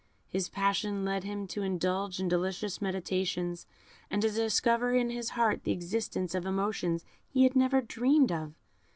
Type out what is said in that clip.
His passion led him to indulge in delicious meditations, and to discover in his heart the existence of emotions he had never dreamed of.